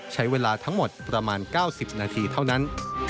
ใช้เวลาทั้งหมดประมาณ๙๐นาทีเท่านั้น